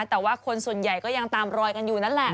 แต่ว่าคนส่วนใหญ่ก็ยังตามรอยกันอยู่นั่นแหละ